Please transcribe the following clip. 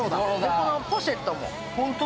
このポシェットも。